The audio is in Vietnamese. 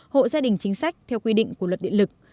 hộ gia đình chính sách theo quy định của luật điện lực